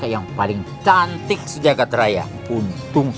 iya pak ayo duduk duduk